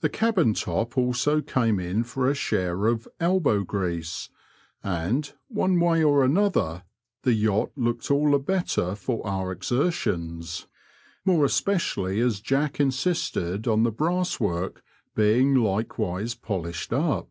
The cabin top also came in for a share of " elbow grease," and, one way or another, the yacht looked all the better for our exertions, more especially as Jack insisted on the brasswork being like wise polished up.